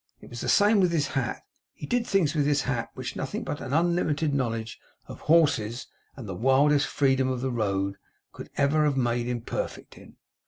It was the same with his hat. He did things with his hat, which nothing but an unlimited knowledge of horses and the wildest freedom of the road, could ever have made him perfect in.